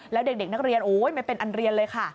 แล้วเด็กนักเรียนโอ๊ยไม่เป็นอันเรียนเลยค่ะ